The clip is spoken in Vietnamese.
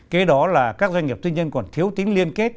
kế đó là các doanh nghiệp tư nhân còn thiếu tính liên kết